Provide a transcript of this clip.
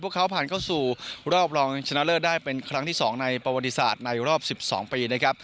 ผ่านเข้าสู่รอบรองชนะเลิศมาสามในภูมิทรัพย์ภูมิ๑๒ปี